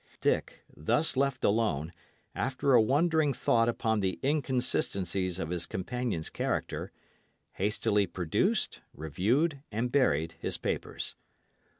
Dick, thus left alone, after a wondering thought upon the inconsistencies of his companion's character, hastily produced, reviewed, and buried his papers.